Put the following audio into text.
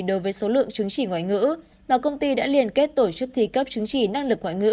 đối với số lượng chứng chỉ ngoại ngữ mà công ty đã liên kết tổ chức thi cấp chứng chỉ năng lực ngoại ngữ